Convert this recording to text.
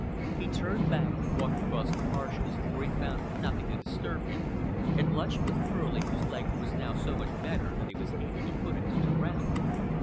He turned back, walked across the marshes, where he found nothing to disturb him, and lunched with Furley, whose leg was now so much better that he was able to put it to the ground.